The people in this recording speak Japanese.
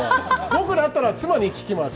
僕だったら妻に聞きます。